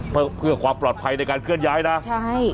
เพื่อเพื่อความปลอดภัยในการเคลื่อนย้ายนะใช่